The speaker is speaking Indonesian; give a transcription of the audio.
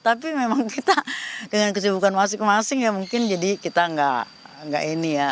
tapi memang kita dengan kesibukan masing masing ya mungkin jadi kita nggak ini ya